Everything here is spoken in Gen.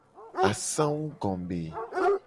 Asangugome.